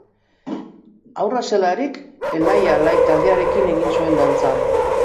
Haurra zelarik Elai-Alai taldearekin egin zuen dantza.